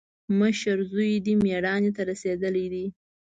مشر زوی دې مېړانې ته رسېدلی دی.